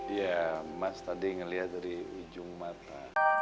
iya mas tadi ngelihat dari ujung mata